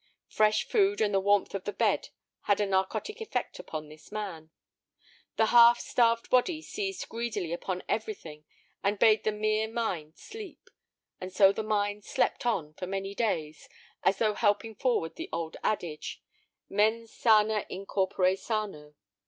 Fresh food and the warmth of the bed had a narcotic effect upon the man. The half starved body seized greedily upon everything and bade the mere mind sleep, and so the mind slept on for many days, as though helping forward the old adage—"_Mens sana in corpore sano.